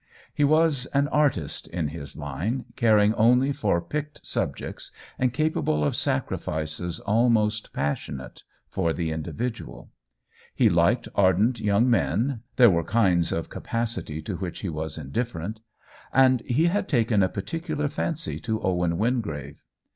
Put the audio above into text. He was an artist in his line, caring only for picked subjects, and capable of sacrifices almost passionate for the individual. He liked ardent young men (there were kinds of capacity to which he was indifferent), and he had taken a particular fancy to Owen Wingrave.